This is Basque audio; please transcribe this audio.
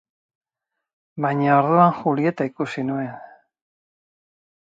Baina orduan Julieta ikusi nuen!